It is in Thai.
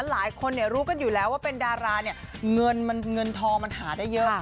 หลายคนรู้กันอยู่แล้วว่าเป็นดาราเนี่ยเงินทองมันหาได้เยอะ